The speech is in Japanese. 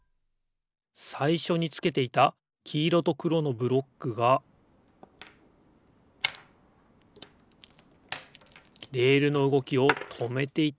さいしょにつけていたきいろとくろのブロックがレールのうごきをとめていたんですね。